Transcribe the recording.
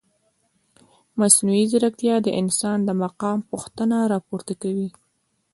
مصنوعي ځیرکتیا د انسان د مقام پوښتنه راپورته کوي.